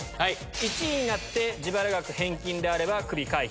１位になって自腹額返金であればクビ回避。